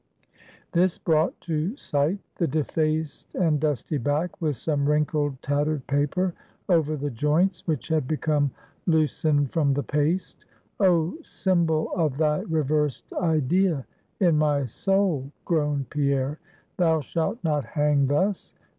This brought to sight the defaced and dusty back, with some wrinkled, tattered paper over the joints, which had become loosened from the paste. "Oh, symbol of thy reversed idea in my soul," groaned Pierre; "thou shalt not hang thus.